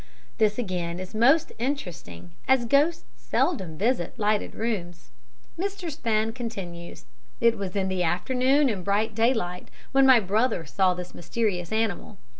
This, again, is most interesting, as ghosts seldom visit lighted rooms. Mr. Span continues: "It was in the afternoon in broad daylight when my brother saw this mysterious animal.